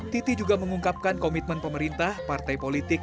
titi juga mengungkapkan komitmen pemerintah partai politik